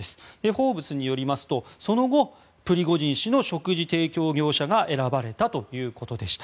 「フォーブス」によりますとその後、プリゴジン氏の食事提供業者が選ばれたということでした。